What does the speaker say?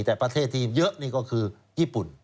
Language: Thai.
แต่ประเทศที่เยอะนี่ก็คือญี่ปุ่น